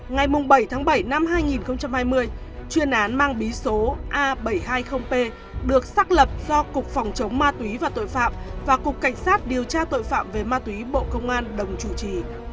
ngày bảy tháng bảy năm hai nghìn hai mươi chuyên án mang bí số a bảy trăm hai mươi p được xác lập do cục phòng chống ma túy và tội phạm và cục cảnh sát điều tra tội phạm về ma túy bộ công an đồng chủ trì